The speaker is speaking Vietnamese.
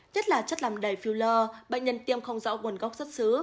nhất là chất làm đầy filler bệnh nhân tiêm không rõ nguồn gốc xuất xứ